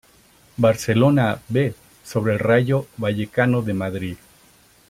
Barcelona "B" sobre el Rayo Vallecano de Madrid.